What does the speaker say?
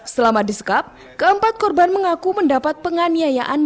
selama disekap keempat korban mengaku mendapat penganiayaan